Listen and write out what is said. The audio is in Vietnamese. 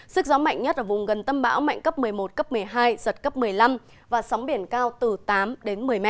sức gió mạnh nhất ở vùng gần tâm bão mạnh cấp một mươi một cấp một mươi hai giật cấp một mươi năm và sóng biển cao từ tám đến một mươi m